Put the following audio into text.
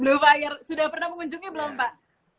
blue fire sudah pernah mengunjungi belum pak